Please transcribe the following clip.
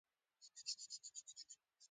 زړه د ایمان ټکان دی.